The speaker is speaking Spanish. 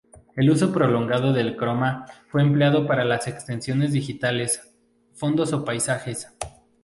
El uso prolongado del croma fue empleado para las extensiones digitales, fondos o paisajes.